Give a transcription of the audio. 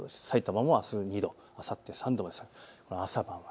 さいたまもあすは２度あさっては３度です。